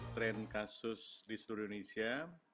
tren kasus di seluruh indonesia